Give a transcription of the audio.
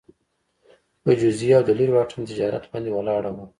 په جزیې او د لېرې واټن تجارت باندې ولاړه وه